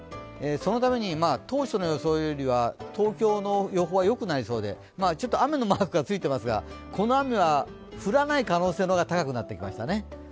そのために当初の予想よりは東京の予報はよくなりそうで雨のマークがついていますが、この雨は降らない可能性の方が高くなってきましたね。